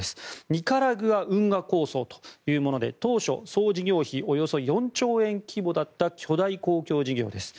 ニカラグア運河構想というもので当初、総事業費およそ４兆円規模だった巨大公共事業です。